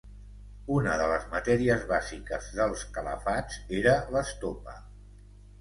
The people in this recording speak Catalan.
Una de les matèries bàsiques dels calafats era l'estopa.